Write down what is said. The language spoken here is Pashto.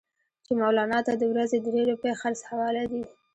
چې مولنا ته د ورځې درې روپۍ خرڅ حواله دي.